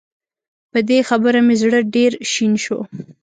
په دې خبره مې زړه ډېر شين شو